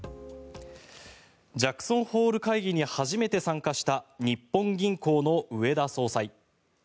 ジャクソンホール会議に初めて参加した日本銀行の植田総裁。